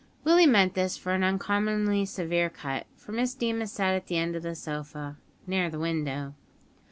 Willie meant this for an uncommonly severe cut; for Miss Deemas sat at the end of the sofa, near the window!